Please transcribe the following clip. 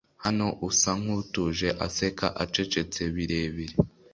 hano usa nkutuje aseka acecetse birebire